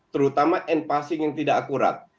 terutama end passing yang tidak akurat